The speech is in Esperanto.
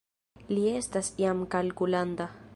Li estas jam kalkulanta